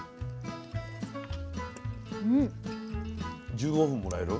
１５分もらえる？